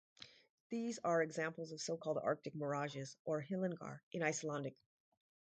These are examples of so-called Arctic mirages, or "hillingar" in Icelandic.